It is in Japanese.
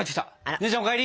姉ちゃんお帰り！